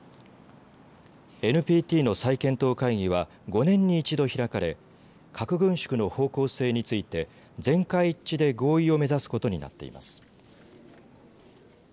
ＮＰＴの再検討会議は５年に１度開かれ核軍縮の方向性について全会一致で合意を目指すことになっています。